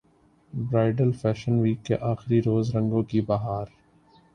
bridal fashion week کے اخری روز رنگوں کی بہار